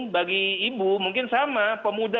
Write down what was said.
bagi ibu mungkin sama pemuda